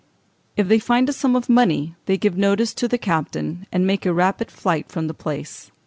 If they find a sum of money they give notice to the captain, and make a rapid flight from the place.